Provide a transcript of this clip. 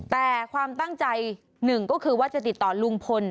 แต่ความตั้งใจหนึ่งก็คือว่าจะติดต่อลุงพล